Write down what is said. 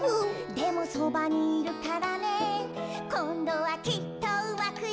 「でもそばにいるからねこんどはきっとうまくいくよ！」